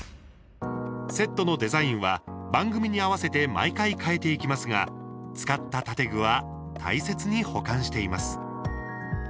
セットのデザインは番組に合わせて毎回変えていきますが使った建具は大切に保管しています。